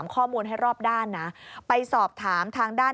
นี่ค่ะคุณผู้ชมพอเราคุยกับเพื่อนบ้านเสร็จแล้วนะน้า